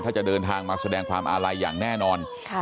ถ้าจะเดินทางมาแสดงความอาลัยอย่างแน่นอน